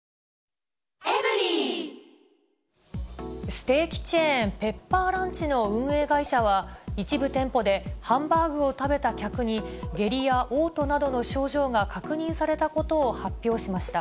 ステーキチェーン、ペッパーランチの運営会社は、一部店舗でハンバーグを食べた客に、下痢やおう吐などの症状が確認されたことを発表しました。